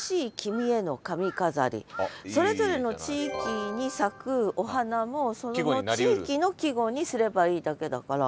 それぞれの地域に咲くお花もその地域の季語にすればいいだけだから。